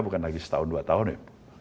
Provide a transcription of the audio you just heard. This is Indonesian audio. bukan lagi setahun dua tahun ya